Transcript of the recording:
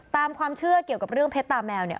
ตามความเชื่อเกี่ยวกับเรื่องเพชรตาแมวเนี่ย